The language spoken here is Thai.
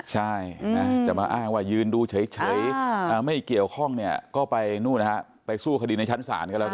ใช่จะมาอ้างว่ายืนดูเฉยไม่เกี่ยวข้องเนี่ยก็ไปนู่นนะฮะไปสู้คดีในชั้นศาลก็แล้วกัน